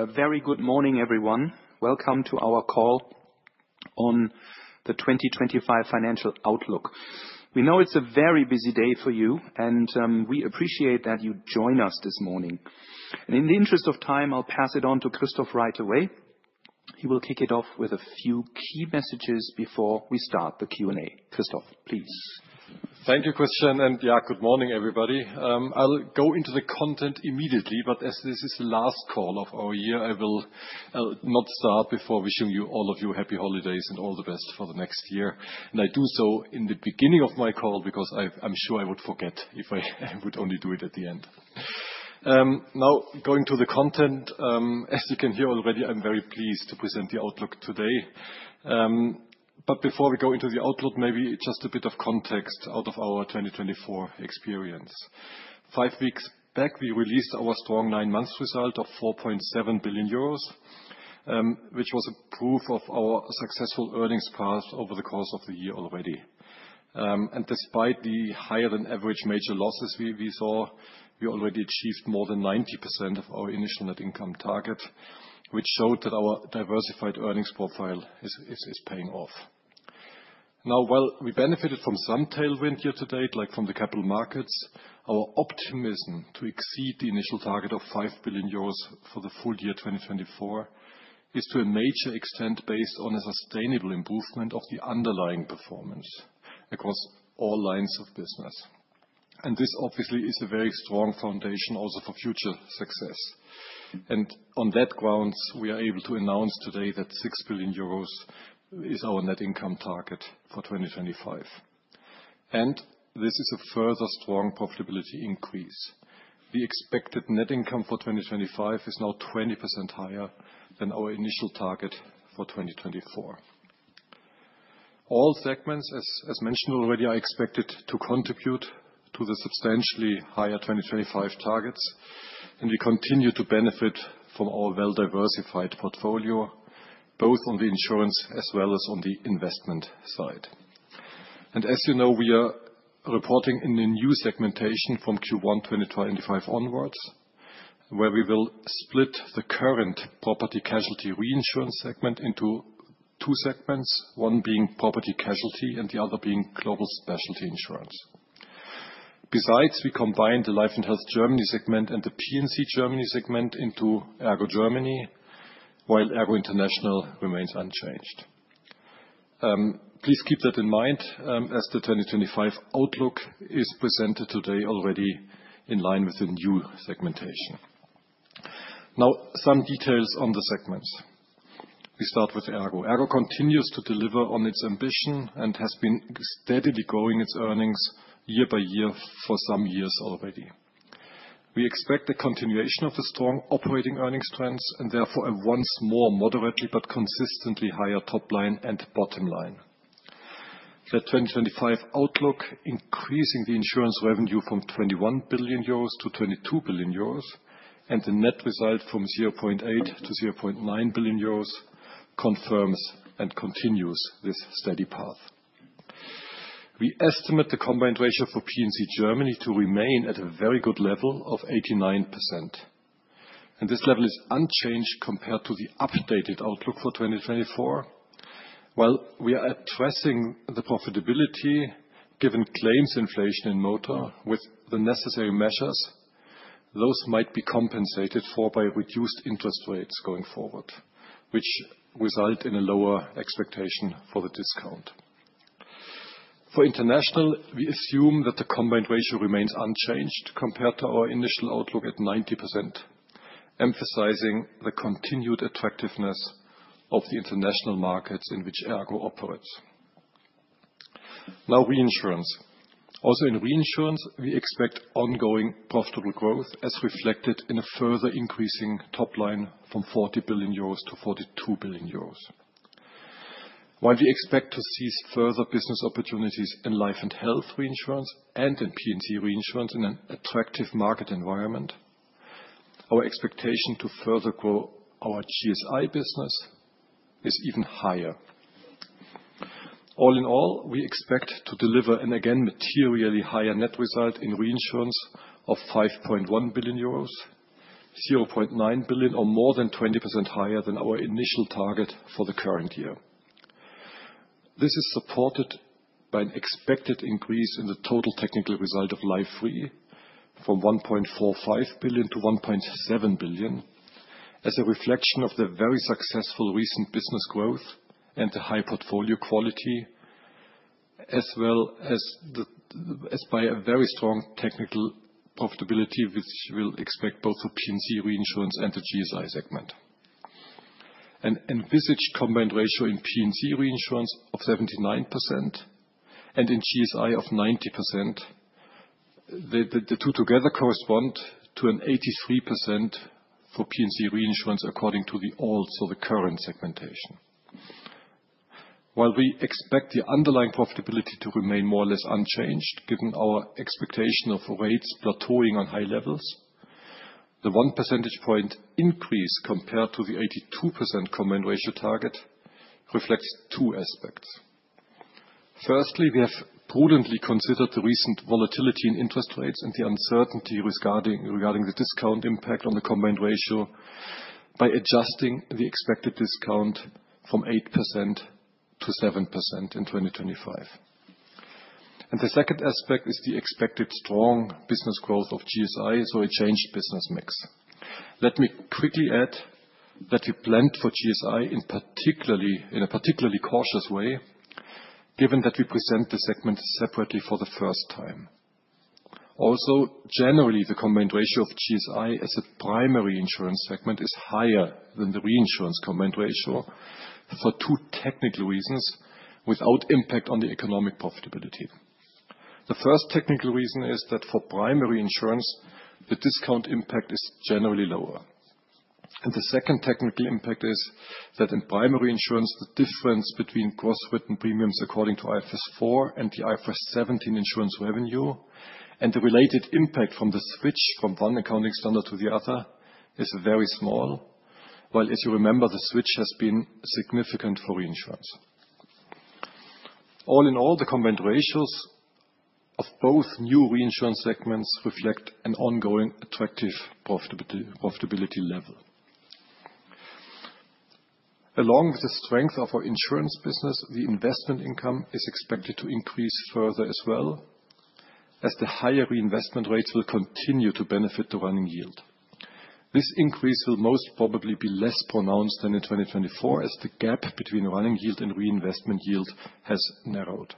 A very good morning, everyone. Welcome to our call on the 2025 financial outlook. We know it's a very busy day for you, and we appreciate that you join us this morning. In the interest of time, I'll pass it on to Christoph right away. He will kick it off with a few key messages before we start the Q&A. Christoph, please. Thank you, Christian, and yeah, good morning, everybody. I'll go into the content immediately, but as this is the last call of our year, I will not start before wishing you all of you happy holidays and all the best for the next year, and I do so in the beginning of my call because I'm sure I would forget if I would only do it at the end. Now, going to the content, as you can hear already, I'm very pleased to present the outlook today, but before we go into the outlook, maybe just a bit of context out of our 2024 experience. Five weeks back, we released our strong nine-month result of 4.7 billion euros, which was proof of our successful earnings path over the course of the year already. And despite the higher-than-average major losses we saw, we already achieved more than 90% of our initial net income target, which showed that our diversified earnings profile is paying off. Now, while we benefited from some tailwind year to date, like from the capital markets, our optimism to exceed the initial target of 5 billion euros for the full year 2024 is to a major extent based on a sustainable improvement of the underlying performance across all lines of business. And this, obviously, is a very strong foundation also for future success. And on that grounds, we are able to announce today that 6 billion euros is our net income target for 2025. And this is a further strong profitability increase. The expected net income for 2025 is now 20% higher than our initial target for 2024. All segments, as mentioned already, are expected to contribute to the substantially higher 2025 targets. And we continue to benefit from our well-diversified portfolio, both on the insurance as well as on the investment side. And as you know, we are reporting in a new segmentation from Q1 2025 onwards, where we will split the current Property Casualty Reinsurance segment into two segments, one being Property Casualty and the other being Global Specialty Insurance. Besides, we combined the Life and Health Germany segment and the P&C Germany segment into ERGO Germany, while ERGO International remains unchanged. Please keep that in mind as the 2025 outlook is presented today already in line with the new segmentation. Now, some details on the segments. We start with ERGO. ERGO continues to deliver on its ambition and has been steadily growing its earnings year by year for some years already. We expect a continuation of the strong operating earnings trends and therefore a once more moderately but consistently higher top line and bottom line. The 2025 outlook increasing the insurance revenue from 21 billion euros to 22 billion euros and the net result from 0.8 to 0.9 billion euros confirms and continues this steady path. We estimate the combined ratio for P&C Germany to remain at a very good level of 89%. This level is unchanged compared to the updated outlook for 2024. While we are addressing the profitability given claims inflation in motor with the necessary measures, those might be compensated for by reduced interest rates going forward, which result in a lower expectation for the discount. For international, we assume that the combined ratio remains unchanged compared to our initial outlook at 90%, emphasizing the continued attractiveness of the international markets in which ERGO operates. Now, reinsurance. Also in reinsurance, we expect ongoing profitable growth as reflected in a further increasing top line from 40 billion euros to 42 billion euros. While we expect to see further business opportunities in Life and Health reinsurance and in P&C reinsurance in an attractive market environment, our expectation to further grow our GSI business is even higher. All in all, we expect to deliver an again materially higher net result in reinsurance of 5.1 billion euros, 0.9 billion, or more than 20% higher than our initial target for the current year. This is supported by an expected increase in the total technical result of Life Re from 1.45 billion to 1.7 billion as a reflection of the very successful recent business growth and the high portfolio quality, as well as by a very strong technical profitability, which we'll expect both for P&C reinsurance and the GSI segment. An envisaged combined ratio in P&C reinsurance of 79% and in GSI of 90%, the two together correspond to an 83% for P&C reinsurance according to the old, so the current segmentation. While we expect the underlying profitability to remain more or less unchanged given our expectation of rates plateauing on high levels, the one percentage point increase compared to the 82% combined ratio target reflects two aspects. Firstly, we have prudently considered the recent volatility in interest rates and the uncertainty regarding the discount impact on the combined ratio by adjusting the expected discount from 8% to 7% in 2025, and the second aspect is the expected strong business growth of GSI, so a changed business mix. Let me quickly add that we planned for GSI in a particularly cautious way, given that we present the segment separately for the first time. Also, generally, the combined ratio of GSI as a primary insurance segment is higher than the reinsurance combined ratio for two technical reasons without impact on the economic profitability. The first technical reason is that for primary insurance, the discount impact is generally lower, and the second technical impact is that in primary insurance, the difference between gross written premiums according to IFRS 4 and the IFRS 17 insurance revenue and the related impact from the switch from one accounting standard to the other is very small, while, as you remember, the switch has been significant for reinsurance. All in all, the combined ratios of both new reinsurance segments reflect an ongoing attractive profitability level. Along with the strength of our Insurance business, the investment income is expected to increase further as well, as the higher reinvestment rates will continue to benefit the running yield. This increase will most probably be less pronounced than in 2024, as the gap between running yield and reinvestment yield has narrowed.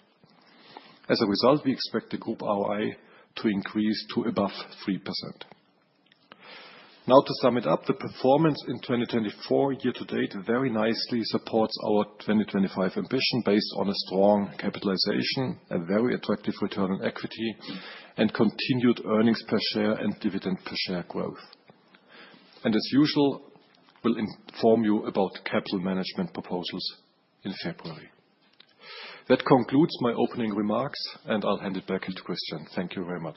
As a result, we expect the group ROI to increase to above 3%. Now, to sum it up, the performance in 2024 year to date very nicely supports our 2025 ambition based on a strong capitalization, a very attractive return on equity, and continued earnings per share and dividend per share growth. And as usual, we'll inform you about capital management proposals in February. That concludes my opening remarks, and I'll hand it back to Christian. Thank you very much.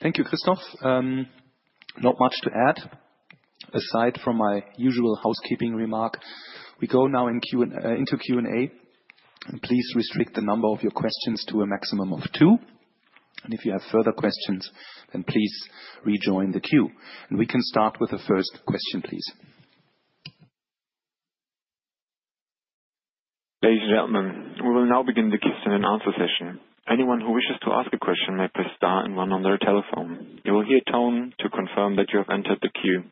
Thank you, Christoph. Not much to add aside from my usual housekeeping remark. We go now into Q&A. Please restrict the number of your questions to a maximum of two. And if you have further questions, then please rejoin the queue. And we can start with the first question, please. Ladies and gentlemen, we will now begin the question and answer session. Anyone who wishes to ask a question may press star and one on their telephone. You will hear a tone to confirm that you have entered the queue.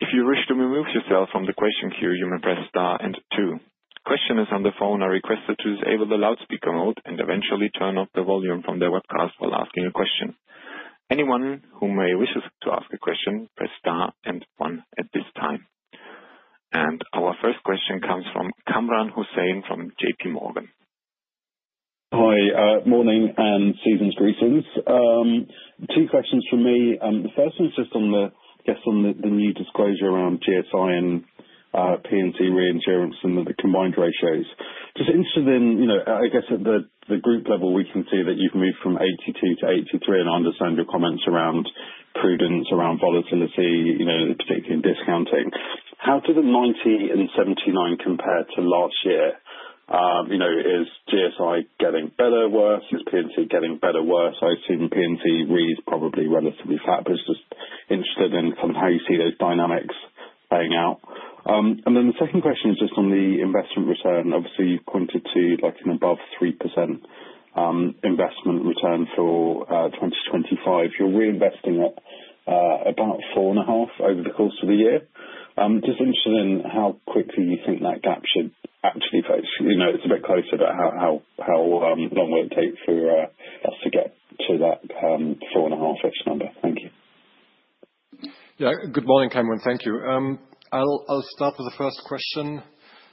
If you wish to remove yourself from the question queue, you may press star and two. Questioners on the phone are requested to disable the loudspeaker mode and eventually turn off the volume from their webcast while asking a question. Anyone who may wish to ask a question, press star and one at this time. And our first question comes from Kamran Hossain from J.P. Morgan. Hi, morning and season's greetings. Two questions from me. The first one's just on the new disclosure around GSI and P&C reinsurance and the combined ratios. Just interested in, I guess, at the group level, we can see that you've moved from 82% to 83%, and I understand your comments around prudence, around volatility, particularly in discounting. How do the 90% and 79% compare to last year? Is GSI getting better, worse? Is P&C getting better, worse? I assume P&C reads probably relatively flat, but just interested in kind of how you see those dynamics playing out. And then the second question is just on the investment return. Obviously, you've pointed to an above 3% investment return for 2025. You're reinvesting at about 4.5% over the course of the year. Just interested in how quickly you think that gap should actually fix. It's a bit closer, but how long will it take for us to get to that four and a half-ish number? Thank you. Yeah, good morning, Kamran. Thank you. I'll start with the first question.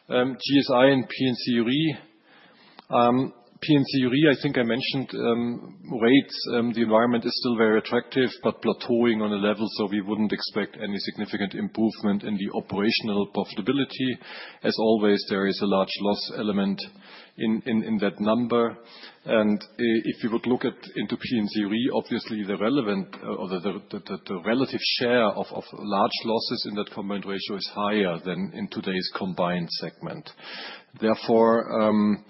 GSI and P&C Re. P&C Re, I think I mentioned, rates, the environment is still very attractive but plateauing on a level, so we wouldn't expect any significant improvement in the operational profitability. As always, there is a large loss element in that number. And if you would look into P&C Re, obviously, the relative share of large losses in that combined ratio is higher than in today's combined segment. Therefore,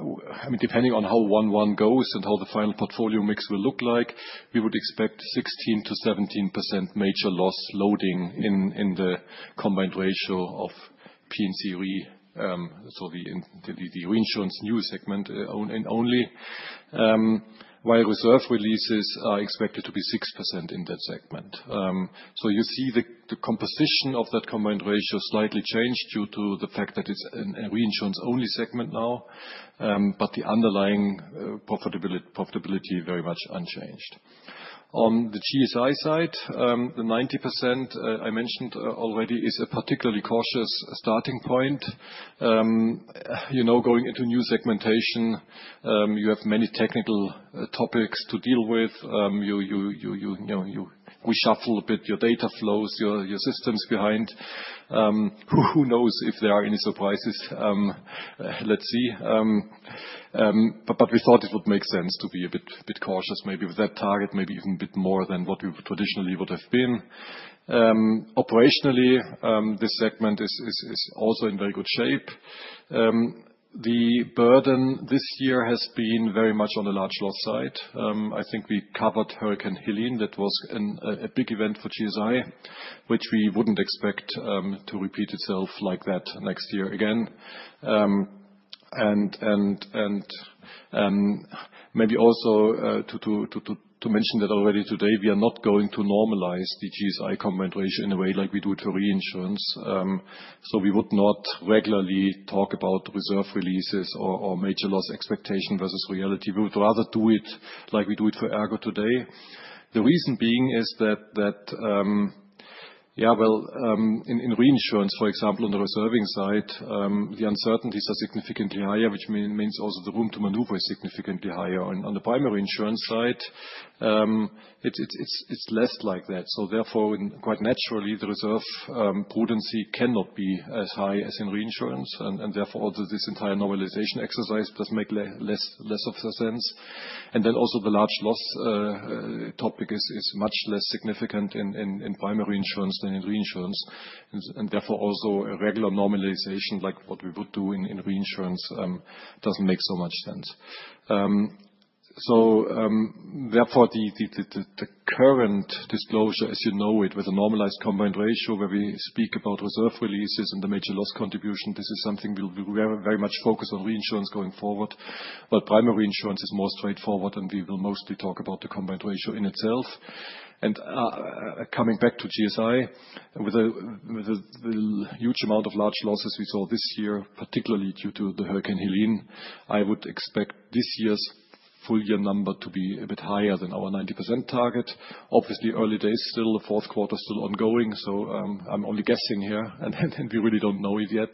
I mean, depending on how 1/1 goes and how the final portfolio mix will look like, we would expect 16%-17% major loss loading in the combined ratio of P&C Re, so the reinsurance new segment only, while reserve releases are expected to be 6% in that segment. So you see the composition of that combined ratio slightly changed due to the fact that it's a reinsurance-only segment now, but the underlying profitability very much unchanged. On the GSI side, the 90% I mentioned already is a particularly cautious starting point. Going into new segmentation, you have many technical topics to deal with. We shuffle a bit your data flows, your systems behind. Who knows if there are any surprises? Let's see. But we thought it would make sense to be a bit cautious, maybe with that target, maybe even a bit more than what we traditionally would have been. Operationally, this segment is also in very good shape. The burden this year has been very much on the large loss side. I think we covered Hurricane Helene. That was a big event for GSI, which we wouldn't expect to repeat itself like that next year again. And maybe also to mention that already today, we are not going to normalize the GSI combined ratio in a way like we do to reinsurance. So we would not regularly talk about reserve releases or major loss expectation versus reality. We would rather do it like we do it for ERGO today. The reason being is that, yeah, well, in reinsurance, for example, on the reserving side, the uncertainties are significantly higher, which means also the room to maneuver is significantly higher. On the primary insurance side, it's less like that. So therefore, quite naturally, the reserve prudency cannot be as high as in reinsurance. And therefore, also this entire normalization exercise does make less of a sense. And then also the large loss topic is much less significant in primary insurance than in reinsurance. Therefore, also a regular normalization like what we would do in reinsurance doesn't make so much sense. Therefore, the current disclosure, as you know it, with a normalized combined ratio where we speak about reserve releases and the major loss contribution, this is something we will very much focus on reinsurance going forward. Primary insurance is more straightforward, and we will mostly talk about the combined ratio in itself. Coming back to GSI, with the huge amount of large losses we saw this year, particularly due to the Hurricane Helene, I would expect this year's full year number to be a bit higher than our 90% target. Obviously, early days, still the fourth quarter still ongoing, so I'm only guessing here, and we really don't know it yet.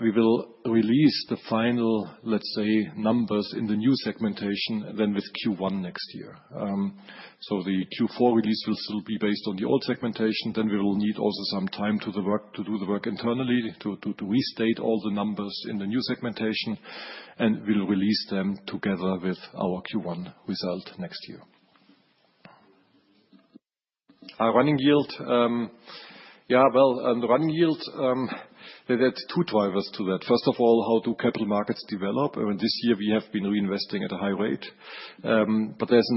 We will release the final, let's say, numbers in the new segmentation then with Q1 next year. So the Q4 release will still be based on the old segmentation. Then we will need also some time to do the work internally, to restate all the numbers in the new segmentation, and we'll release them together with our Q1 result next year. Running yield, yeah, well, on the running yield, there are two drivers to that. First of all, how do capital markets develop? This year, we have been reinvesting at a high rate. But there's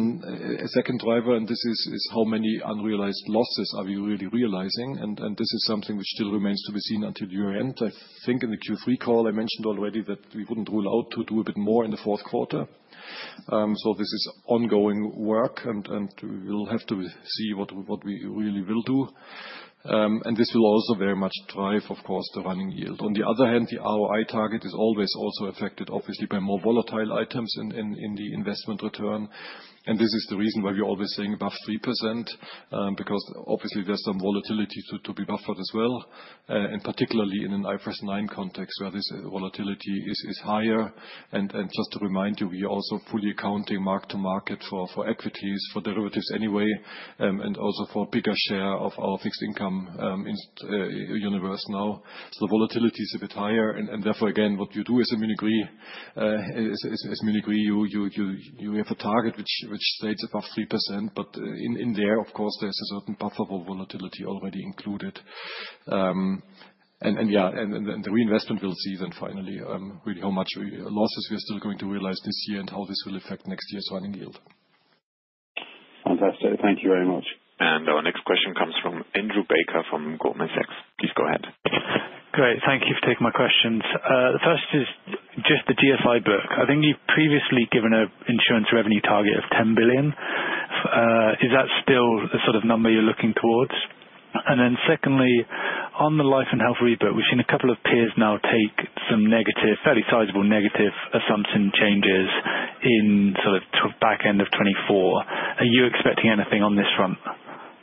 a second driver, and this is how many unrealized losses are we really realizing? And this is something which still remains to be seen until year end. I think in the Q3 call, I mentioned already that we wouldn't rule out to do a bit more in the fourth quarter. So this is ongoing work, and we will have to see what we really will do. And this will also very much drive, of course, the running yield. On the other hand, the ROI target is always also affected, obviously, by more volatile items in the investment return. And this is the reason why we're always saying above 3%, because obviously, there's some volatility to be buffered as well, and particularly in an IFRS 9 context where this volatility is higher. And just to remind you, we are also fully accounting mark to market for equities, for derivatives anyway, and also for a bigger share of our fixed income universe now. So the volatility is a bit higher. And therefore, again, what you do is, as Munich Re's, you have a target which stays above 3%, but in there, of course, there's a certain buffer for volatility already included. The reinvestment will see then finally how much losses we are still going to realize this year and how this will affect next year's running yield. Fantastic. Thank you very much. And our next question comes from Andrew Baker from Goldman Sachs. Please go ahead. Great. Thank you for taking my questions. The first is just the GSI book. I think you've previously given an insurance revenue target of 10 billion. Is that still the sort of number you're looking towards? And then secondly, on the Life and Health rebook, we've seen a couple of peers now take some fairly sizable negative assumption changes in sort of back end of 2024. Are you expecting anything on this front?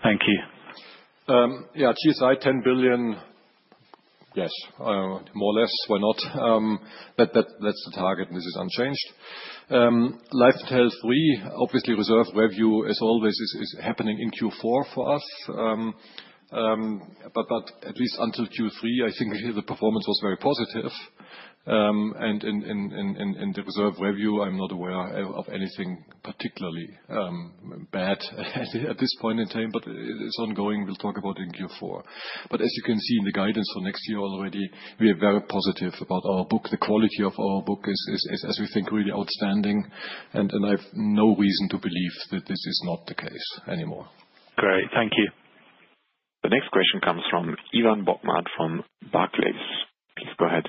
Thank you. Yeah, GSI 10 billion, yes, more or less, why not? But that's the target, and this is unchanged. Life and Health Re, obviously, reserve releases, as always, is happening in Q4 for us. But at least until Q3, I think the performance was very positive. And in the reserve releases, I'm not aware of anything particularly bad at this point in time, but it's ongoing. We'll talk about it in Q4. But as you can see in the guidance for next year already, we are very positive about our book. The quality of our book is, as we think, really outstanding, and I have no reason to believe that this is not the case anymore. Great. Thank you. The next question comes from Ivan Bokhmat from Barclays. Please go ahead.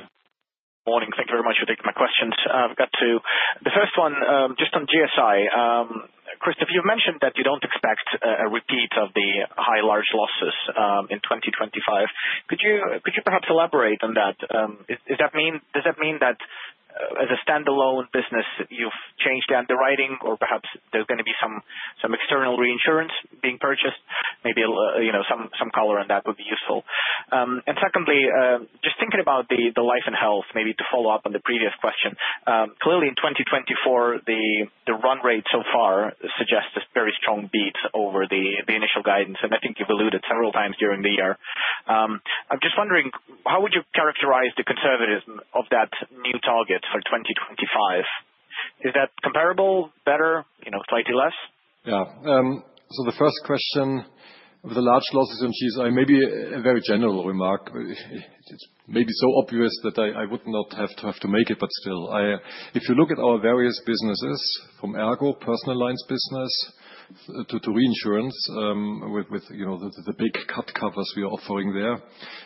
Morning. Thank you very much for taking my questions. I've got two. The first one, just on GSI. Christoph, you've mentioned that you don't expect a repeat of the high large losses in 2025. Could you perhaps elaborate on that? Does that mean that as a standalone business, you've changed the underwriting, or perhaps there's going to be some external reinsurance being purchased? Maybe some color on that would be useful. And secondly, just thinking about the Life and Health, maybe to follow up on the previous question, clearly in 2024, the run rate so far suggests a very strong beat over the initial guidance. And I think you've alluded several times during the year. I'm just wondering, how would you characterize the conservatism of that new target for 2025? Is that comparable, better, slightly less? Yeah. So the first question with the large losses on GSI, maybe a very general remark. It's maybe so obvious that I would not have to make it, but still. If you look at our various businesses from ERGO, Personal Lines business to Reinsurance with the big cat covers we are offering there,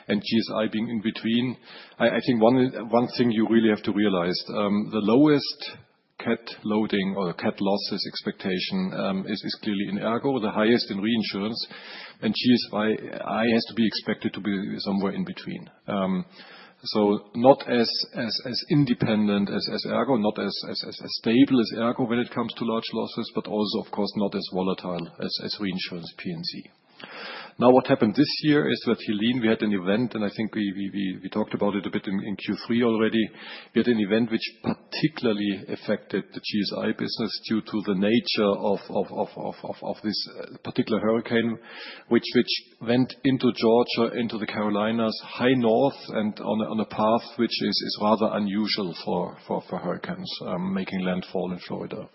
and GSI being in between, I think one thing you really have to realize, the lowest CAT loading or CAT losses expectation is clearly in ERGO, the highest in reinsurance, and GSI has to be expected to be somewhere in between. So not as independent as ERGO, not as stable as ERGO when it comes to large losses, but also, of course, not as volatile as reinsurance P&C. Now, what happened this year is with Helene, we had an event, and I think we talked about it a bit in Q3 already. We had an event which particularly affected the GSI business due to the nature of this particular hurricane, which went into Georgia, into the Carolinas, up North, and on a path which is rather unusual for hurricanes making landfall in Florida.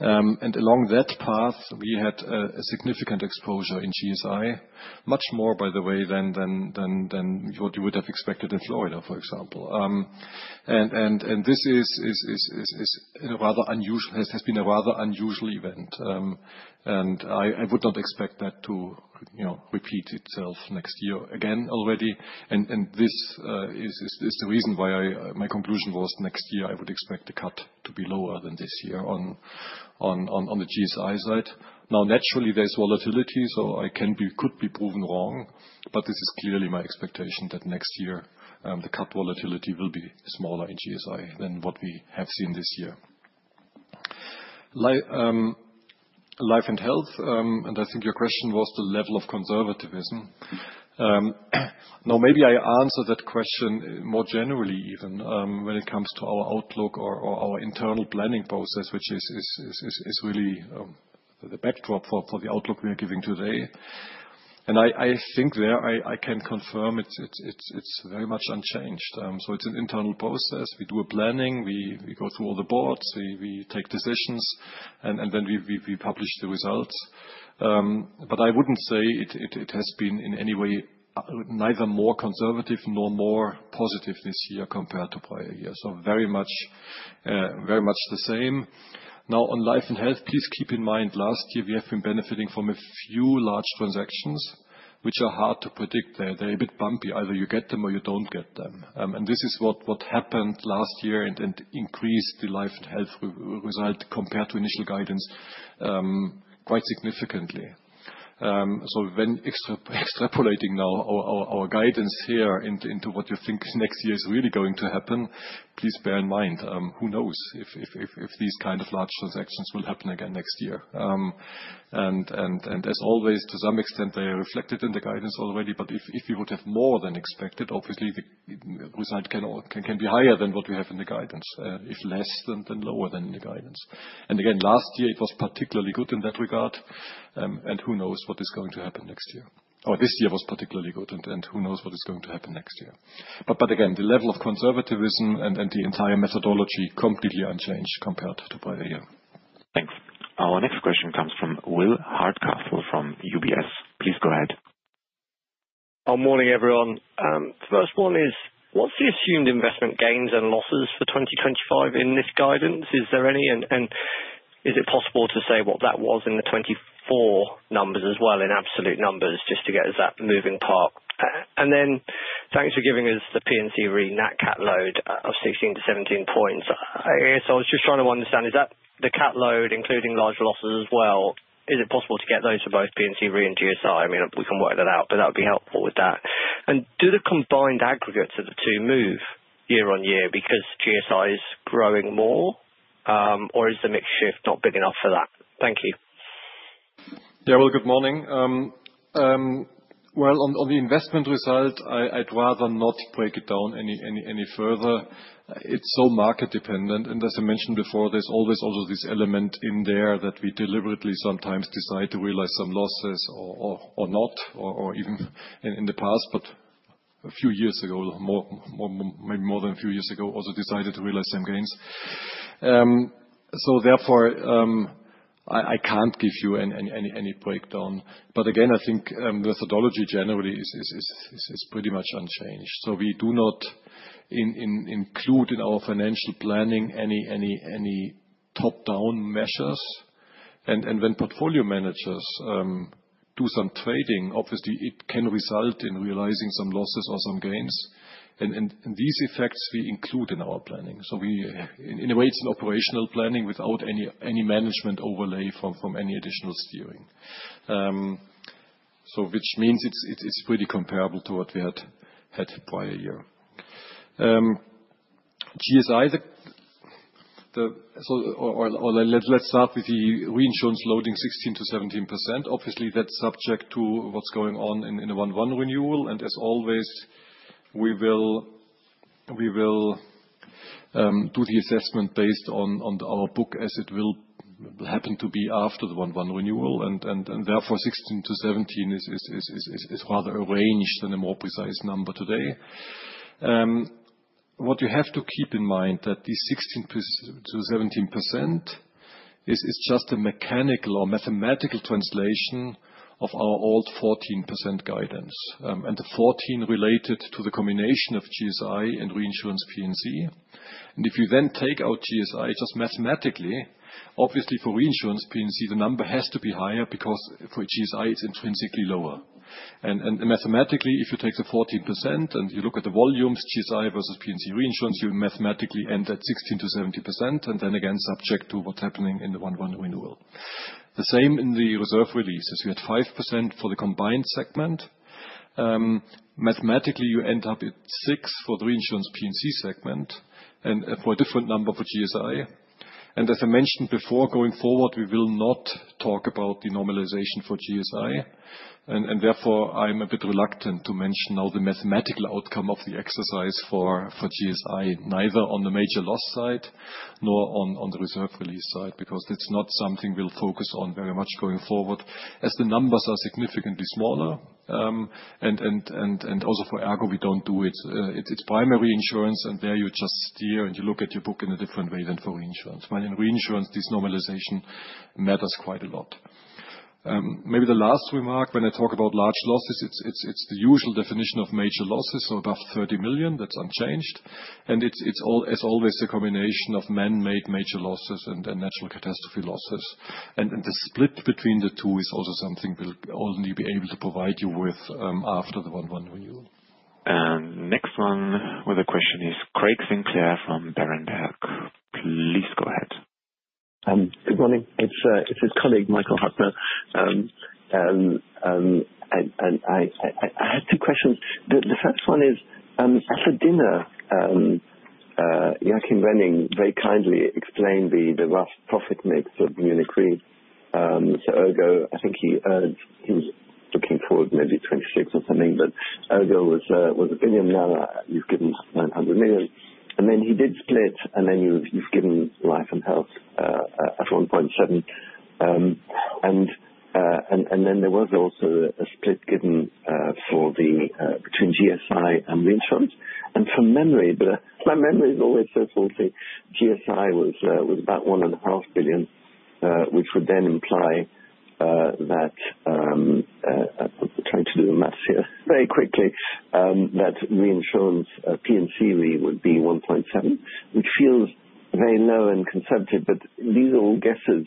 And along that path, we had a significant exposure in GSI, much more, by the way, than you would have expected in Florida, for example. And this has been a rather unusual event. And I would not expect that to repeat itself next year again already. And this is the reason why my conclusion was next year, I would expect the cat to be lower than this year on the GSI side. Now, naturally, there's volatility, so I could be proven wrong, but this is clearly my expectation that next year, the cat volatility will be smaller in GSI than what we have seen this year. Life and Health, and I think your question was the level of conservatism. Now, maybe I answer that question more generally even when it comes to our outlook or our internal planning process, which is really the backdrop for the outlook we are giving today, and I think there I can confirm it's very much unchanged, so it's an internal process. We do a planning. We go through all the boards. We take decisions, and then we publish the results, but I wouldn't say it has been in any way neither more conservative nor more positive this year compared to prior years, so very much the same. Now, on Life and Health, please keep in mind last year we have been benefiting from a few large transactions, which are hard to predict. They're a bit bumpy. Either you get them or you don't get them. And this is what happened last year and increased the Life and Health result compared to initial guidance quite significantly. So when extrapolating now our guidance here into what you think next year is really going to happen, please bear in mind, who knows if these kind of large transactions will happen again next year. And as always, to some extent, they are reflected in the guidance already, but if we would have more than expected, obviously, the result can be higher than what we have in the guidance, if less than lower than in the guidance. And again, last year, it was particularly good in that regard. And who knows what is going to happen next year? Or this year was particularly good, and who knows what is going to happen next year? But again, the level of conservatism and the entire methodology completely unchanged compared to prior year. Thanks. Our next question comes from Will Hardcastle from UBS. Please go ahead. Oh, morning, everyone. First one is, what's the assumed investment gains and losses for 2025 in this guidance? Is there any? And is it possible to say what that was in the 2024 numbers as well, in absolute numbers, just to get to that moving part? And then thanks for giving us the P&C Re NatCat load of 16%-17% points. So I was just trying to understand, is that the catload, including large losses as well, is it possible to get those for both P&C Re and GSI? I mean, we can work that out, but that would be helpful with that. And do the combined aggregates of the two move year on year because GSI is growing more, or is the mix shift not big enough for that? Thank you. Yeah, well, good morning, well, on the investment result, I'd rather not break it down any further. It's so market dependent, and as I mentioned before, there's always also this element in there that we deliberately sometimes decide to realize some losses or not, or even in the past, but a few years ago, maybe more than a few years ago, also decided to realize some gains, so therefore, I can't give you any breakdown, but again, I think the methodology generally is pretty much unchanged, so we do not include in our financial planning any top-down measures, and when portfolio managers do some trading, obviously, it can result in realizing some losses or some gains, and these effects we include in our planning. In a way, it's an operational planning without any management overlay from any additional steering, which means it's pretty comparable to what we had prior year. GSI, or let's start with the reinsurance loading 16%-17%. Obviously, that's subject to what's going on in the 1/1 renewal. And as always, we will do the assessment based on our book as it will happen to be after the 1/1 renewal. And therefore, 16%-17% is rather a range and a more precise number today. What you have to keep in mind is that the 16%-17% is just a mechanical or mathematical translation of our old 14% guidance and the 14% related to the combination of GSI and reinsurance P&C. And if you then take out GSI just mathematically, obviously, for reinsurance P&C, the number has to be higher because for GSI, it's intrinsically lower. Mathematically, if you take the 14% and you look at the volumes, GSI versus P&C reinsurance, you mathematically end at 16%-70%, and then again, subject to what's happening in the 1/1 renewal. The same in the reserve releases. We had 5% for the combined segment. Mathematically, you end up at 6% for the reinsurance P&C segment and for a different number for GSI. As I mentioned before, going forward, we will not talk about the normalization for GSI. Therefore, I'm a bit reluctant to mention now the mathematical outcome of the exercise for GSI, neither on the major loss side nor on the reserve release side, because that's not something we'll focus on very much going forward, as the numbers are significantly smaller. Also for ERGO, we don't do it. It's primary insurance, and there you just steer and you look at your book in a different way than for reinsurance. While in reinsurance, this normalization matters quite a lot. Maybe the last remark, when I talk about large losses, it's the usual definition of major losses, so above 30 million. That's unchanged. It's always a combination of man-made major losses and natural catastrophe losses. The split between the two is also something we'll only be able to provide you with after the 1/1 renewal. Next one with a question is Craig Winkler from Berenberg. Please go ahead. Good morning. It's his colleague, Michael Huttner. And I had two questions. The first one is, after dinner, Joachim Wenning very kindly explained the rough profit mix of Munich Re. I think he was looking forward maybe 26 or something, but ERGO was 1 billion now. You've given 900 million. And then he did split, and then you've given Life and Health at 1.7 billion. And then there was also a split given for the between GSI and reinsurance. And from memory, my memory is always so faulty, GSI was about 1.5 billion, which would then imply that I'm trying to do the math here very quickly, that reinsurance P&C Re would be 1.7 billion, which feels very low and conservative. But these are all guesses.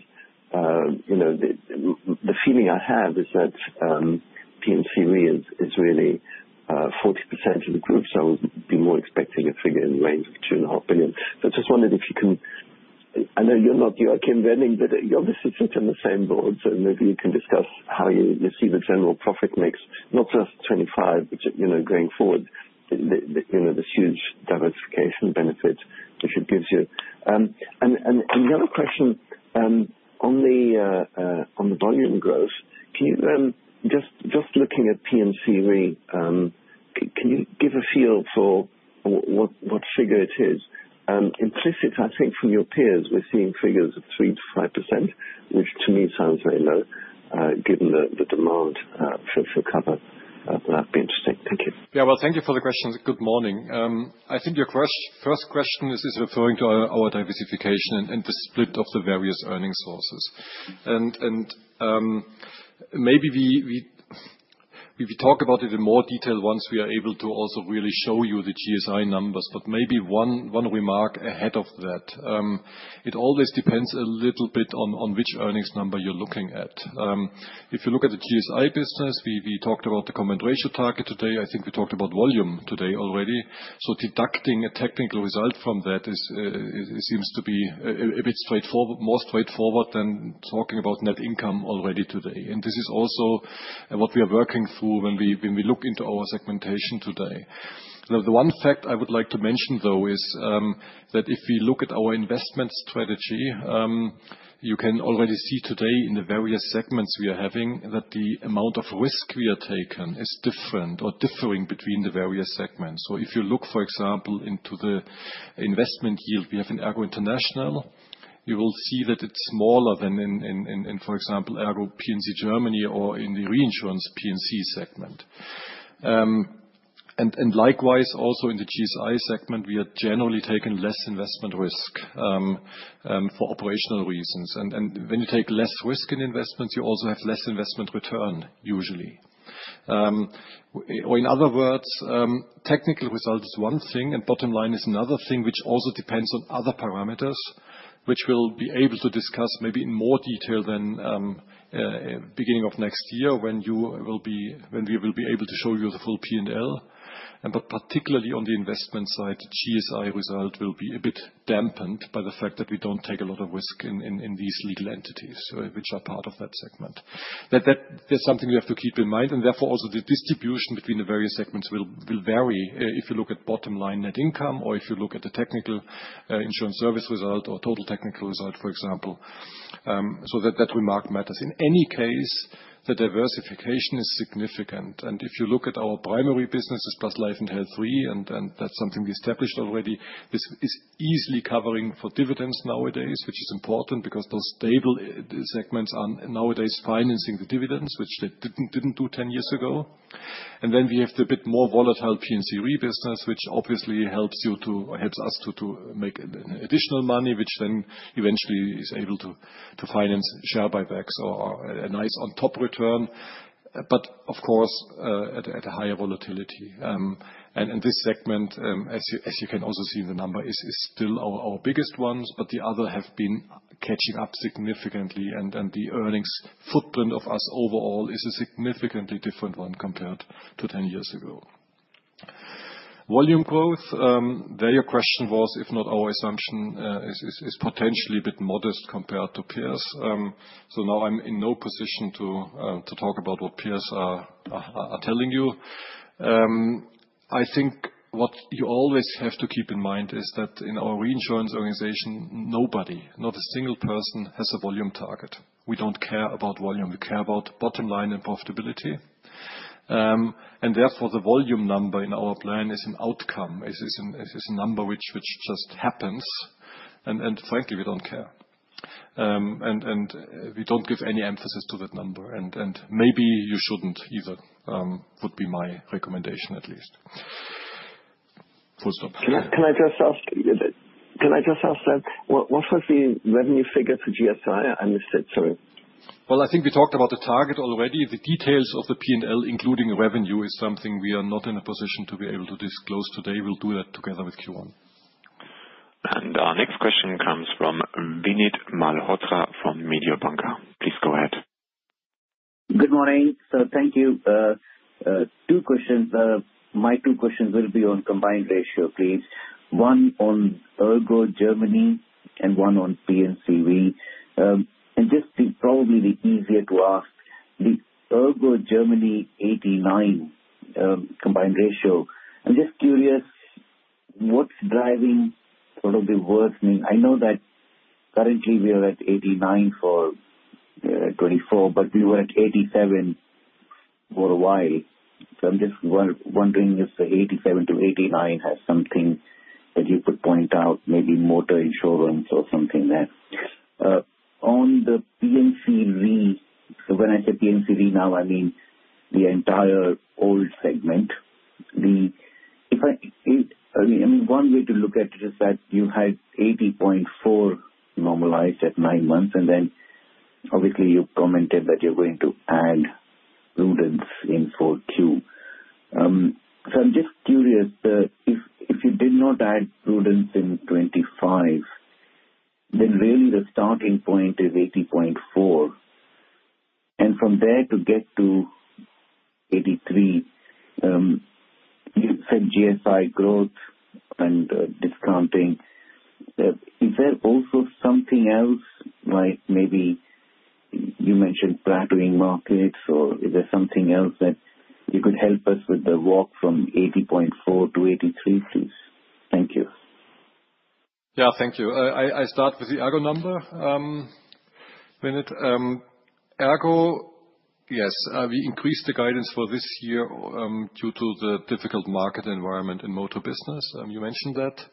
The feeling I have is that P&C Re is really 40% of the group, so we'd be more expecting a figure in the range of 2.5 billion, so I just wondered if you can, I know you're not Joachim Wenning, but you obviously sit on the same board, so maybe you can discuss how you see the general profit mix, not just 25, but going forward, this huge diversification benefit, which it gives you, and the other question on the volume growth, just looking at P&C Re, can you give a feel for what figure it is? Implicit, I think, from your peers, we're seeing figures of 3%-5%, which to me sounds very low given the demand for cover. That'd be interesting. Thank you. Yeah, well, thank you for the questions. Good morning. I think your first question is referring to our diversification and the split of the various earnings sources. And maybe we talk about it in more detail once we are able to also really show you the GSI numbers, but maybe one remark ahead of that. It always depends a little bit on which earnings number you're looking at. If you look at the GSI business, we talked about the combined ratio target today. I think we talked about volume today already. So deducting a technical result from that seems to be a bit more straightforward than talking about net income already today. And this is also what we are working through when we look into our segmentation today. The one fact I would like to mention, though, is that if we look at our investment strategy, you can already see today in the various segments we are having that the amount of risk we are taking is different or differing between the various segments. So if you look, for example, into the investment yield we have in ERGO International, you will see that it's smaller than in, for example, ERGO P&C Germany or in the reinsurance P&C segment. And likewise, also in the GSI segment, we are generally taking less investment risk for operational reasons. And when you take less risk in investments, you also have less investment return, usually. Or in other words, technical result is one thing and bottom line is another thing, which also depends on other parameters, which we'll be able to discuss maybe in more detail than beginning of next year when we will be able to show you the full P&L. But particularly on the investment side, the GSI result will be a bit dampened by the fact that we don't take a lot of risk in these legal entities, which are part of that segment. That's something we have to keep in mind. And therefore, also the distribution between the various segments will vary if you look at bottom line net income or if you look at the technical insurance service result or total technical result, for example. So that remark matters. In any case, the diversification is significant. And if you look at our primary businesses plus Life and Health Re, and that's something we established already, this is easily covering for dividends nowadays, which is important because those stable segments are nowadays financing the dividends, which they didn't do 10 years ago. And then we have the bit more volatile P&C Re business, which obviously helps us to make additional money, which then eventually is able to finance share buybacks or a nice on-top return, but of course at a higher volatility. And this segment, as you can also see in the number, is still our biggest ones, but the other have been catching up significantly. And the earnings footprint of us overall is a significantly different one compared to 10 years ago. Volume growth, there your question was, if not our assumption, is potentially a bit modest compared to peers. So now I'm in no position to talk about what peers are telling you. I think what you always have to keep in mind is that in our reinsurance organization, nobody, not a single person, has a volume target. We don't care about volume. We care about bottom line and profitability. And therefore, the volume number in our plan is an outcome. It is a number which just happens. And frankly, we don't care. And we don't give any emphasis to that number. And maybe you shouldn't either, would be my recommendation at least. Can I just ask? Can I just ask that? What was the revenue figure for GSI? I missed it. Sorry. I think we talked about the target already. The details of the P&L, including revenue, is something we are not in a position to be able to disclose today. We'll do that together with Q1. Our next question comes from Vinit Malhotra from Mediobanca. Please go ahead. Good morning, so thank you. Two questions. My two questions will be on combined ratio, please. One on ERGO Germany and one on P&C Re, and just probably the easier to ask, the ERGO Germany 89% combined ratio. I'm just curious what's driving sort of the worsening. I know that currently we are at 89% for 2024, but we were at 87% for a while, so I'm just wondering if the 87%-89% has something that you could point out, maybe motor insurance or something there. On the P&C Re, so when I say P&C Re now, I mean the entire old segment. I mean, one way to look at it is that you had 80.4% normalized at nine months, and then obviously you commented that you're going to add prudence in 4Q. So I'm just curious, if you did not add prudence in 2025, then really the starting point is 80.4%. And from there to get to 83%, you said GSI growth and discounting. Is there also something else, like maybe you mentioned flattening markets, or is there something else that you could help us with the walk from 80.4% to 83%, please? Thank you. Yeah, thank you. I start with the ERGO number, Vinit. ERGO, yes, we increased the guidance for this year due to the difficult market environment in Motor business. You mentioned that.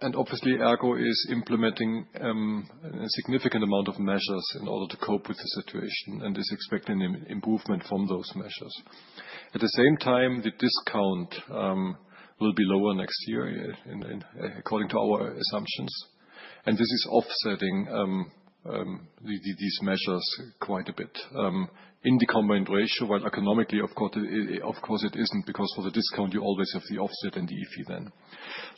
And obviously, ERGO is implementing a significant amount of measures in order to cope with the situation and is expecting improvement from those measures. At the same time, the discount will be lower next year according to our assumptions. And this is offsetting these measures quite a bit in the combined ratio, while economically, of course, it isn't because for the discount, you always have the offset and the IFIE then.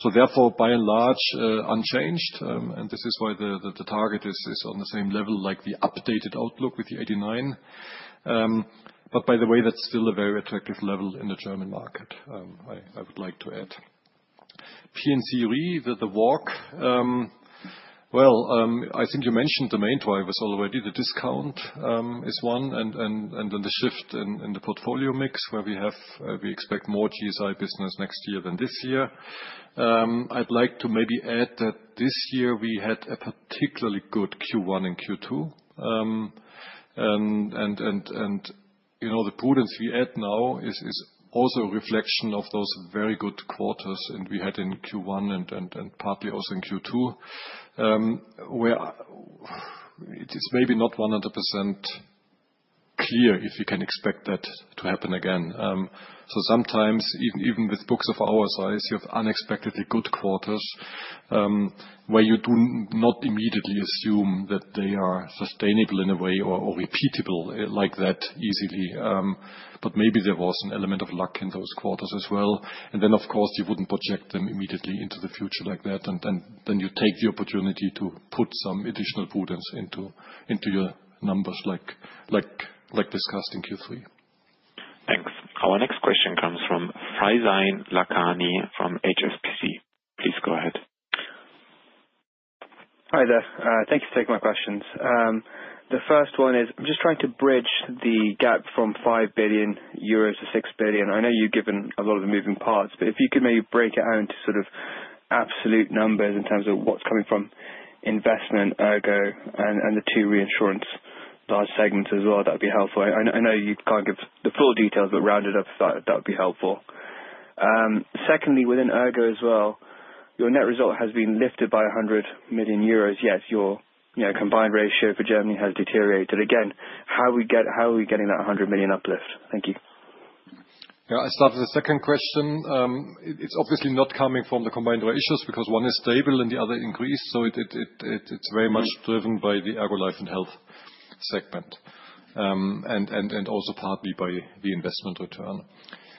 So therefore, by and large, unchanged. And this is why the target is on the same level like the updated outlook with the 89%. But by the way, that's still a very attractive level in the German market, I would like to add. P&C Re, the walk. Well, I think you mentioned the main drivers already. The discount is one, and then the shift in the portfolio mix, where we expect more GSI business next year than this year. I'd like to maybe add that this year we had a particularly good Q1 and Q2. And the prudence we add now is also a reflection of those very good quarters we had in Q1 and partly also in Q2, where it's maybe not 100% clear if we can expect that to happen again. So sometimes, even with books of our size, you have unexpectedly good quarters where you do not immediately assume that they are sustainable in a way or repeatable like that easily. But maybe there was an element of luck in those quarters as well. And then, of course, you wouldn't project them immediately into the future like that. You take the opportunity to put some additional prudence into your numbers like discussed in Q3. Thanks. Our next question comes from Faizan Lakhani from HSBC. Please go ahead. Hi there. Thank you for taking my questions. The first one is I'm just trying to bridge the gap from 5 billion euros to 6 billion. I know you've given a lot of moving parts, but if you could maybe break it out into sort of absolute numbers in terms of what's coming from investment, ERGO, and the two reinsurance large segments as well, that would be helpful. I know you can't give the full details, but rounded up, that would be helpful. Secondly, within ERGO as well, your net result has been lifted by 100 million euros. Yes, your combined ratio for Germany has deteriorated. Again, how are we getting that 100 million uplift? Thank you. Yeah, I start with the second question. It's obviously not coming from the combined ratio because one is stable and the other increased. So it's very much driven by the ERGO Life and Health segment and also partly by the investment return.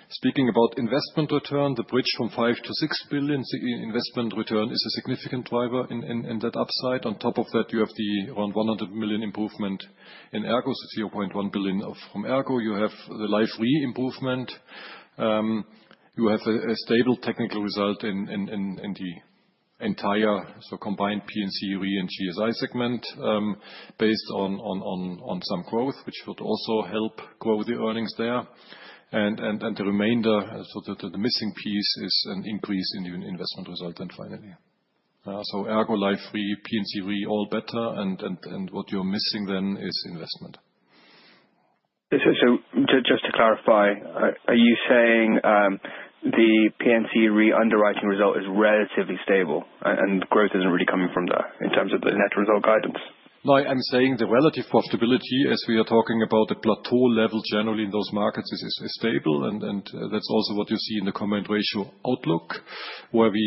Speaking about investment return, the bridge from 5 billion to 6 billion, the investment return is a significant driver in that upside. On top of that, you have the around 100 million improvement in ERGO, so 0.1 billion from ERGO. You have the Life Re improvement. You have a stable technical result in the entire combined P&C Re and GSI segment based on some growth, which would also help grow the earnings there. And the remainder, so the missing piece is an increase in the investment result then finally. So ERGO, Life Re, P&C Re, all better. And what you're missing then is investment. So just to clarify, are you saying the P&C Re underwriting result is relatively stable and growth isn't really coming from there in terms of the net result guidance? No, I'm saying the relative profitability, as we are talking about the plateau level generally in those markets, is stable, and that's also what you see in the combined ratio outlook, where we,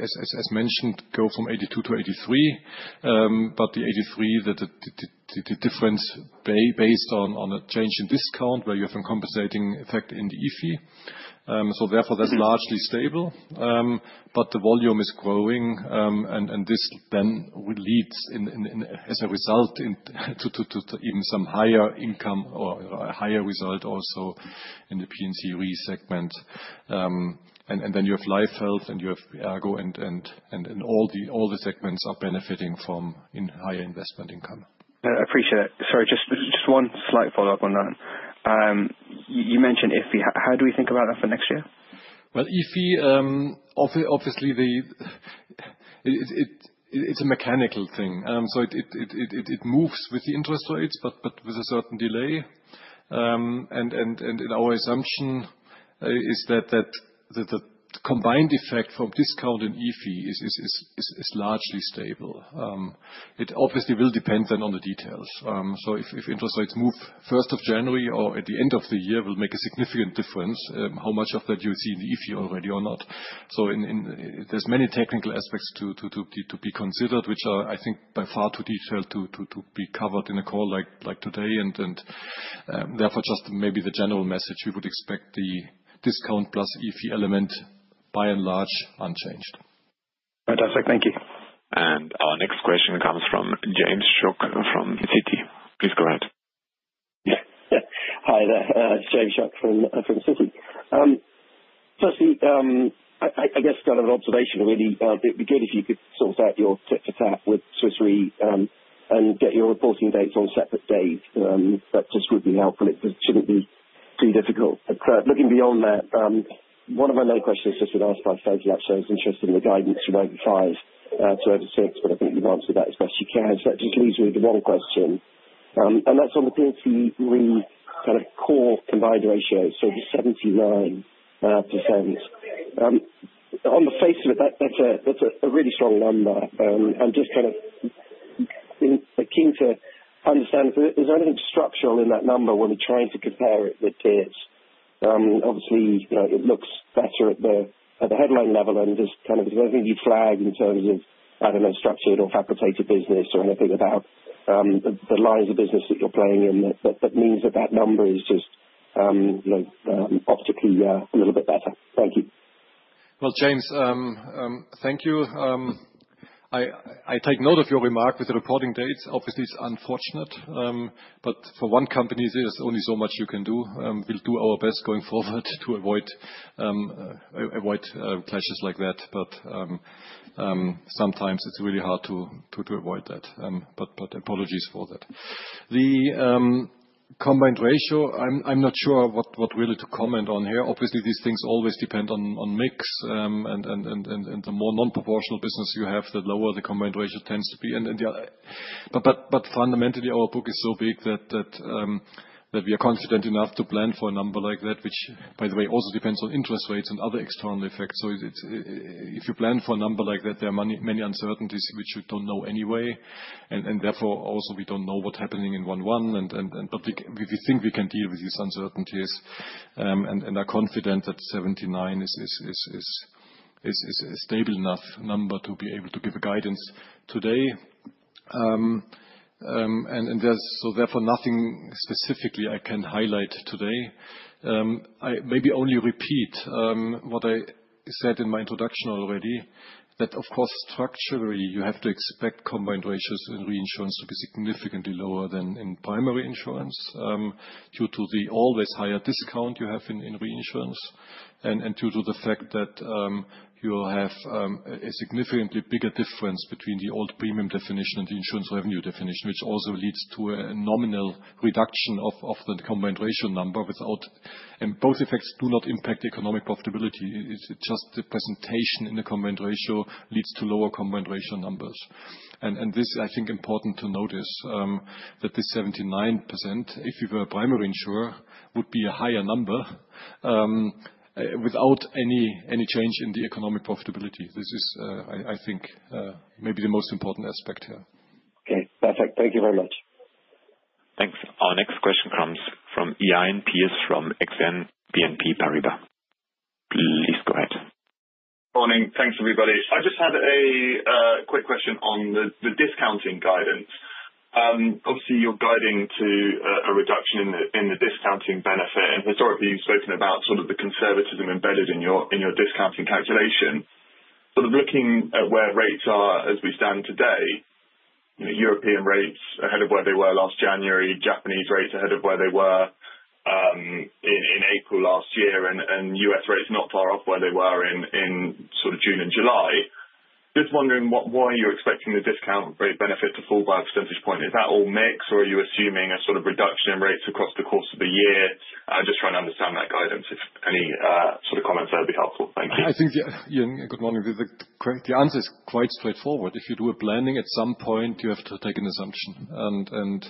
as mentioned, go from 82% to 83%, but the 83%, the difference based on a change in discount where you have a compensating effect in the IFIE, so therefore, that's largely stable, but the volume is growing, and this then leads, as a result, to even some higher income or a higher result also in the P&C Re segment, and then you have Life/Health and you have ERGO, and all the segments are benefiting from higher investment income. I appreciate it. Sorry, just one slight follow-up on that. You mentioned IFIE. How do we think about that for next year? IFIE, obviously, it's a mechanical thing. It moves with the interest rates, but with a certain delay. Our assumption is that the combined effect from discount and IFIE is largely stable. It obviously will depend then on the details. If interest rates move 1st of January or at the end of the year, it will make a significant difference how much of that you see in the IFIE already or not. There's many technical aspects to be considered, which are, I think, by far too detailed to be covered in a call like today. Therefore, just maybe the general message, we would expect the discount plus IFIE element by and large unchanged. Fantastic. Thank you. And our next question comes from James Shuck from Citi. Please go ahead. Yeah. Hi there. It's James Shuck from Citi. Firstly, I guess kind of an observation really, it would be good if you could sort out your tit for tat with Swiss Re and get your reporting dates on separate days. That just would be helpful. It shouldn't be too difficult. But looking beyond that, one of my main questions just was asked by Faizan Lakhani's interest in the guidance from over five to over six, but I think you've answered that as best you can. So that just leaves me with one question, and that's on the P&C Re kind of core combined ratio, so the 79%. On the face of it, that's a really strong number. I'm just kind of keen to understand, is there anything structural in that number when we're trying to compare it with peers? Obviously, it looks better at the headline level, and there's kind of, is there anything you'd flag in terms of, I don't know, structured or facultative business or anything about the lines of business that you're playing in that means that that number is just optically a little bit better? Thank you. James, thank you. I take note of your remark with the reporting dates. Obviously, it's unfortunate, but for one company, there's only so much you can do. We'll do our best going forward to avoid clashes like that. But sometimes it's really hard to avoid that. But apologies for that. The combined ratio, I'm not sure what really to comment on here. Obviously, these things always depend on mix. And the more non-proportional business you have, the lower the combined ratio tends to be. But fundamentally, our book is so big that we are confident enough to plan for a number like that, which, by the way, also depends on interest rates and other external effects. So if you plan for a number like that, there are many uncertainties which you don't know anyway. And therefore, also we don't know what's happening in 1/1. But we think we can deal with these uncertainties and are confident that 79% is a stable enough number to be able to give a guidance today. And so therefore, nothing specifically I can highlight today. Maybe only repeat what I said in my introduction already, that of course, structurally, you have to expect combined ratios in reinsurance to be significantly lower than in primary insurance due to the always higher discount you have in reinsurance and due to the fact that you will have a significantly bigger difference between the old premium definition and the insurance revenue definition, which also leads to a nominal reduction of the combined ratio number without. And both effects do not impact economic profitability. It's just the presentation in the combined ratio leads to lower combined ratio numbers. This is, I think, important to notice that this 79%, if you were a primary insurer, would be a higher number without any change in the economic profitability. This is, I think, maybe the most important aspect here. Okay. Perfect. Thank you very much. Thanks. Our next question comes from Iain Pearce from Exane BNP Paribas. Please go ahead. Morning. Thanks, everybody. I just had a quick question on the discounting guidance. Obviously, you're guiding to a reduction in the discounting benefit, and historically, you've spoken about sort of the conservatism embedded in your discounting calculation, sort of looking at where rates are as we stand today, European rates ahead of where they were last January, Japanese rates ahead of where they were in April last year, and U.S. rates not far off where they were in sort of June and July. Just wondering why you're expecting the discount rate benefit to fall by a percentage point. Is that all mixed, or are you assuming a sort of reduction in rates across the course of the year? I'm just trying to understand that guidance. If any sort of comments there would be helpful. Thank you. I think, Iain, good morning. The answer is quite straightforward. If you do a planning, at some point, you have to take an assumption. And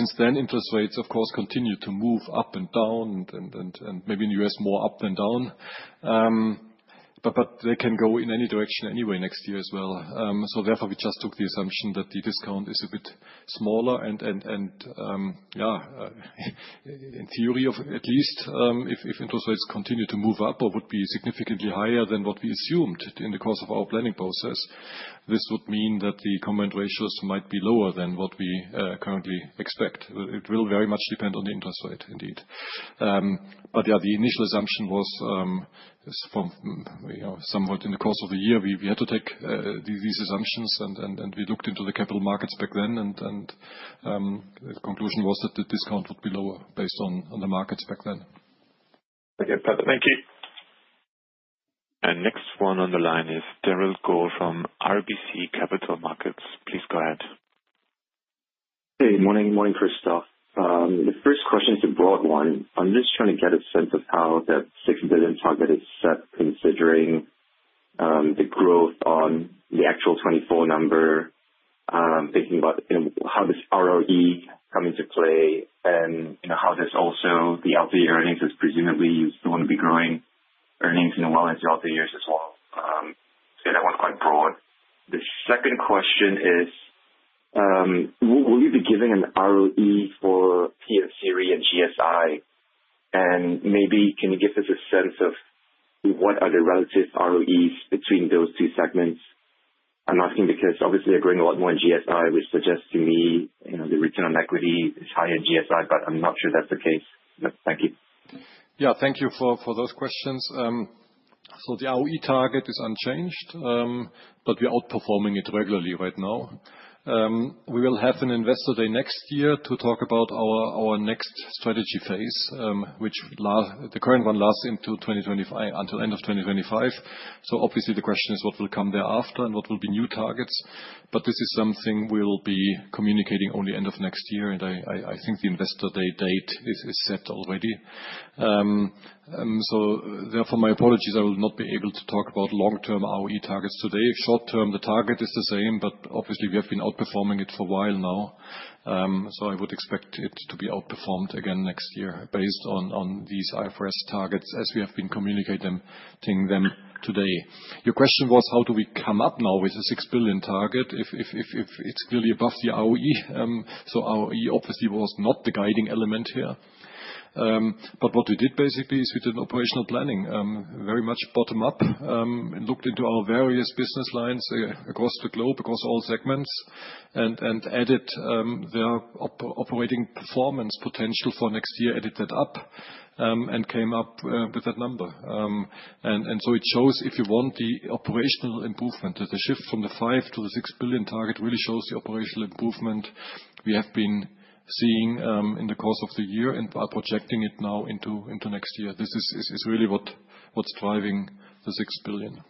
since then, interest rates, of course, continue to move up and down, and maybe in the U.S., more up than down. But they can go in any direction anyway next year as well. So therefore, we just took the assumption that the discount is a bit smaller. And yeah, in theory, at least, if interest rates continue to move up or would be significantly higher than what we assumed in the course of our planning process, this would mean that the combined ratios might be lower than what we currently expect. It will very much depend on the interest rate, indeed. But yeah, the initial assumption was somewhat in the course of a year. We had to take these assumptions, and we looked into the capital markets back then. And the conclusion was that the discount would be lower based on the markets back then. Okay. Perfect. Thank you. Next one on the line is Darragh Quinn from RBC Capital Markets. Please go ahead. Hey, morning. Morning, Christoph. The first question is a broad one. I'm just trying to get a sense of how that 6 billion target is set considering the growth on the actual 24 number, thinking about how does ROE come into play and how there's also the out-of-the-year earnings. Presumably, you still want to be growing earnings in the wellness of out-of-the-years as well. So that one's quite broad. The second question is, will you be giving an ROE for P&C Re and GSI? And maybe can you give us a sense of what are the relative ROEs between those two segments? I'm asking because obviously, you're growing a lot more in GSI, which suggests to me the return on equity is higher in GSI, but I'm not sure that's the case. Thank you. Yeah. Thank you for those questions. So the ROE target is unchanged, but we're outperforming it regularly right now. We will have an investor day next year to talk about our next strategy phase, which the current one lasts until end of 2025. So obviously, the question is what will come thereafter and what will be new targets. But this is something we'll be communicating only end of next year. And I think the investor day date is set already. So therefore, my apologies. I will not be able to talk about long-term ROE targets today. Short-term, the target is the same, but obviously, we have been outperforming it for a while now. So I would expect it to be outperformed again next year based on these IFRS targets as we have been communicating them today. Your question was, how do we come up now with a 6 billion target if it's clearly above the ROE? So ROE obviously was not the guiding element here. But what we did basically is we did operational planning, very much bottom-up. We looked into our various business lines across the globe, across all segments, and added their operating performance potential for next year, added that up, and came up with that number. And so it shows, if you want, the operational improvement. The shift from the 5 billion to the 6 billion target really shows the operational improvement we have been seeing in the course of the year and are projecting it now into next year. This is really what's driving the 6 billion.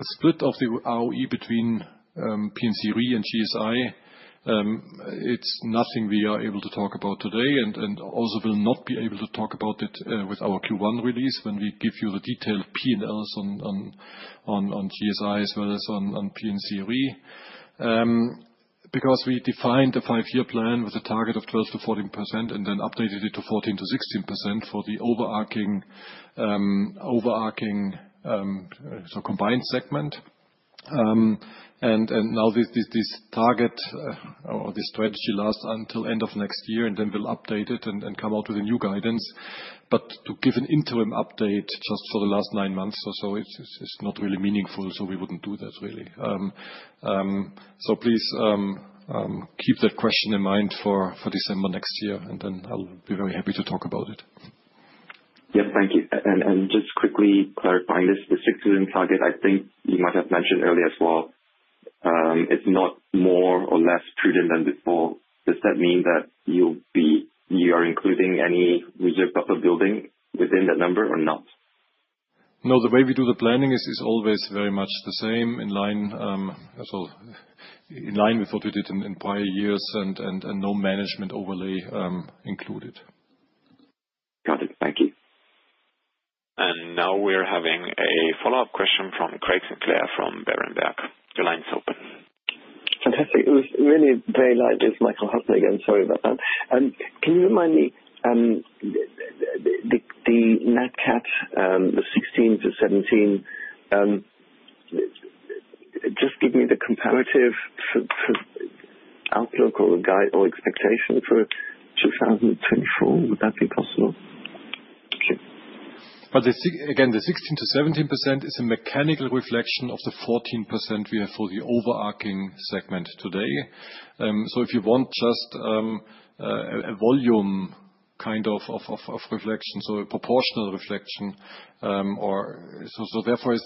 Split of the ROE between P&C Re and GSI. It's nothing we are able to talk about today and also will not be able to talk about it with our Q1 release when we give you the detailed P&Ls on GSI as well as on P&C Re because we defined the five-year plan with a target of 12%-14% and then updated it to 14%-16% for the overarching combined segment. And now this target or this strategy lasts until end of next year, and then we'll update it and come out with a new guidance. But to give an interim update just for the last nine months or so, it's not really meaningful. So we wouldn't do that really. So please keep that question in mind for December next year, and then I'll be very happy to talk about it. Yes. Thank you, and just quickly clarifying this, the EUR 6 billion target, I think you might have mentioned earlier as well, it's not more or less prudent than before. Does that mean that you are including any reserve build-up within that number or not? No. The way we do the planning is always very much the same in line with what we did in prior years and no management overlay included. Got it. Thank you. And now we're having a follow-up question from Craig Winkler from Berenberg. Your line's open. Fantastic. It was really very lively, Michael Huttner again. Sorry about that. Can you remind me the NatCat, the 16%-17%, just give me the comparative outlook or expectation for 2024? Would that be possible? But again, the 16%-17% is a mechanical reflection of the 14% we have for the overarching segment today. So if you want just a volume kind of reflection, so a proportional reflection, so therefore,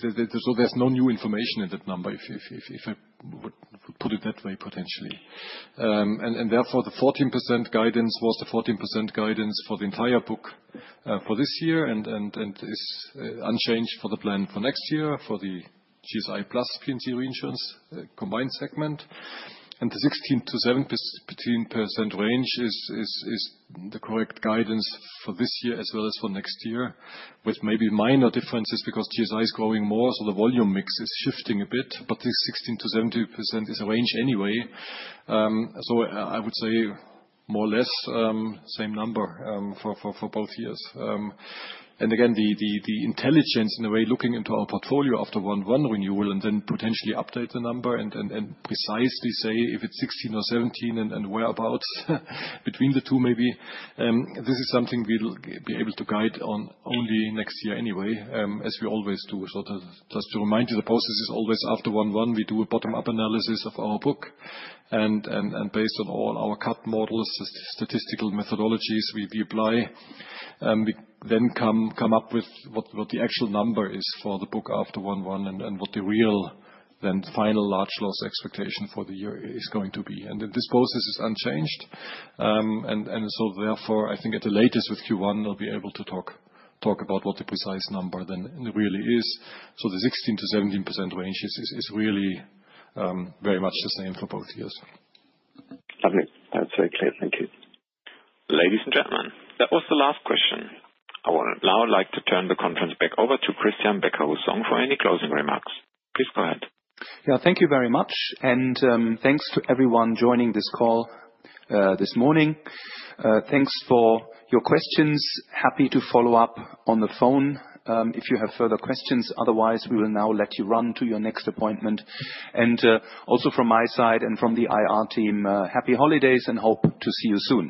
there's no new information in that number, if I would put it that way potentially. And therefore, the 14% guidance was the 14% guidance for the entire book for this year and is unchanged for the plan for next year for the GSI plus P&C Reinsurance combined segment. And the 16%-17% range is the correct guidance for this year as well as for next year with maybe minor differences because GSI is growing more, so the volume mix is shifting a bit. But the 16%-17% is a range anyway. So I would say more or less same number for both years. Again, the intelligence in a way, looking into our portfolio after 1/1 renewal and then potentially update the number and precisely say if it's 16% or 17% and whereabouts between the two maybe, this is something we'll be able to guide on only next year anyway, as we always do. So just to remind you, the process is always after 1/1. We do a bottom-up analysis of our book. And based on all our Cat models, statistical methodologies we apply, we then come up with what the actual number is for the book after 1/1 and what the real then final large loss expectation for the year is going to be. And this process is unchanged. And so therefore, I think at the latest with Q1, I'll be able to talk about what the precise number then really is. So the 16%-17% range is really very much the same for both years. Lovely. That's very clear. Thank you. Ladies and gentlemen, that was the last question. I would now like to turn the conference back over to Christian Becker-Hussong for any closing remarks. Please go ahead. Yeah. Thank you very much. And thanks to everyone joining this call this morning. Thanks for your questions. Happy to follow up on the phone if you have further questions. Otherwise, we will now let you run to your next appointment. And also from my side and from the IR team, happy holidays and hope to see you soon.